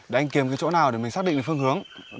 để anh kiếm cái chỗ nào để mình xác định phương hướng